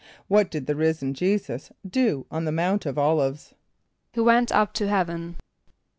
= What did the risen J[=e]´[s+]us do on the Mount of [)O]l´[)i]ve[s+]? =He went up to heaven.